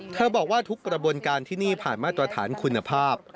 บอกว่าทุกกระบวนการที่นี่ผ่านมาตรฐานคุณภาพ